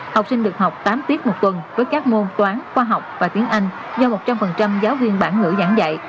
học sinh được học tám tiết một tuần với các môn toán khoa học và tiếng anh do một trăm linh giáo viên bản ngữ giảng dạy